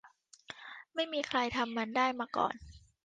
ไม่มีใครทำมันได้มาก่อน